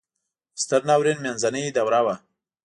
د ستر ناورین منځنۍ دوره وه.